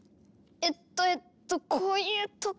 えっとえっとこういう時は。